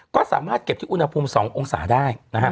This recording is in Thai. ก็สามารถเก็บที่อุณหภูมิ๒องศาได้นะฮะ